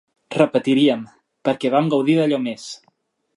Repetiríem, perquè vam gaudir d'allò més!